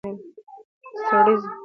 سريزه